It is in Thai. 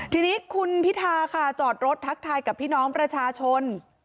ทีนี้คุณพิธาค่ะจอดรถทักทายกับพี่น้องประชาชน